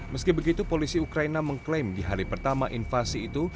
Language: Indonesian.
meski begitu polisi ukraina mengklaim di hari pertama invasi itu